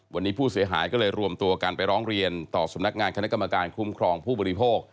วันนี้ผู้เสียหายก็เลยรวมตัวกันไปร้องเรียนต่อสำนักงานคณะกรรมการคุ้มครองผู้บริโภค